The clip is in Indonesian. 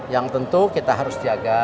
yang tentu kita harus jaga